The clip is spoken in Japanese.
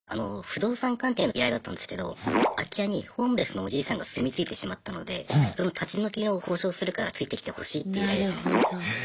不動産関係の依頼だったんですけど空き家にホームレスのおじいさんが住み着いてしまったのでその立ち退きの交渉するからついてきてほしいっていう依頼でしたね。